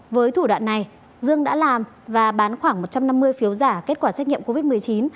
với thủ đoạn này dương đã làm và bán khoảng một trăm năm mươi phiếu giả kết quả xét nghiệm covid một mươi chín